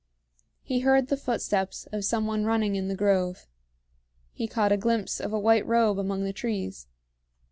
He heard the footsteps of some one running in the grove. He caught a glimpse of a white robe among the trees.